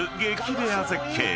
レア絶景］